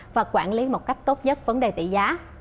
và quản lý một cách tốt nhất vấn đề tỷ giá